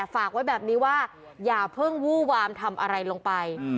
ฝากไว้แบบนี้ว่าอย่าเพิ่งวู้วามทำอะไรลงไป